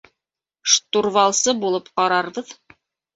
Штурвалсы булып ҡарарбыҙ.